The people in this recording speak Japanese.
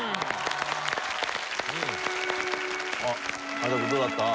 有田君どうだった？